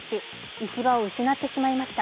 行き場を失ってしまいました。